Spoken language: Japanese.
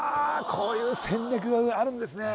こういう戦略があるんですね